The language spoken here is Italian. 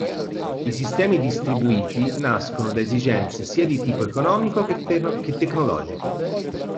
I sistemi distribuiti nascono da esigenze sia di tipo economico che tecnologico.